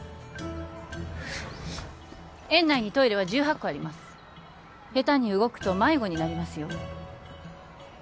園内にトイレは１８個あります下手に動くと迷子になりますよ